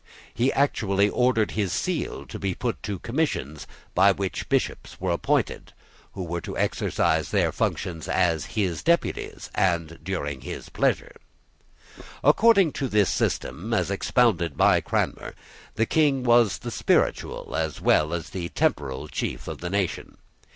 He actually ordered his seal to be put to commissions by which bishops were appointed, who were to exercise their functions as his deputies, and during his pleasure. According to this system, as expounded by Cranmer, the King was the spiritual as well as the temporal chief of the nation.